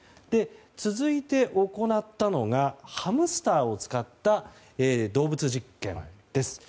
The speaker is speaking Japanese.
続いて、行ったのがハムスターを使った動物実験です。